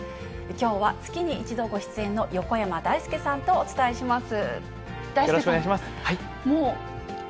きょうは月に１度ご出演の横山だいすけさんとお伝えします。